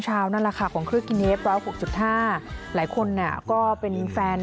เช้านั่นแหละค่ะของครือกิเนฟร้าว๖๕หลายคนเนี่ยก็เป็นแฟน